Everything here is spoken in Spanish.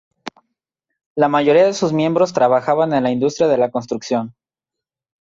La mayoría de sus miembros trabajan en la industria de la construcción.